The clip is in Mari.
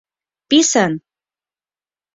— Писын!